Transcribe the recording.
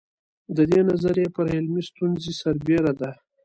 د دې نظریې پر علمي ستونزې سربېره ده.